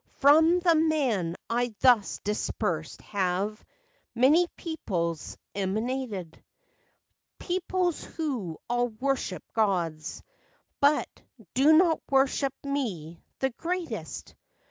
FACTS AND FANCIES. IO3 " From the men I thus dispersed have Many peoples emanated; Peoples who all worship gods, but Do not worship Me—the greatest!